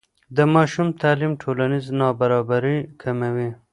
د ماشوم تعلیم ټولنیز نابرابري کموي.